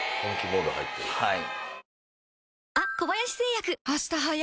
はい。